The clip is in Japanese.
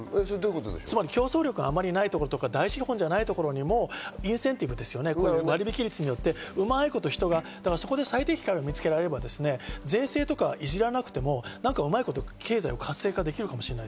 つまり競争力があまりないところとか、大事なところじゃないところにもインセンティブ、割引率によってうまいこと人が最適化が見つけられれば、いじらなくても経済を活性できるかもしれない。